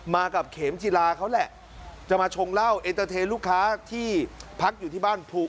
มากับเข็มจิฬาเขาแหละจะมาชงเล่าลูกค้าที่พักอยู่ที่บ้าน